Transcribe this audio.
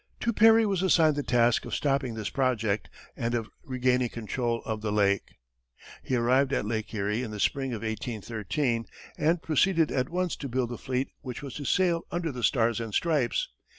To Perry was assigned the task of stopping this project, and of regaining control of the lake. He arrived at Lake Erie in the spring of 1813, and proceeded at once to build the fleet which was to sail under the Stars and Stripes.